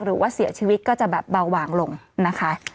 หรือว่าเสียชีวิตก็จะแบบเบาหว่างลงนะคะ